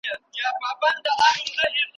سياست د شخصي ګټو پر ځای عامه ګټو ته وکاروی.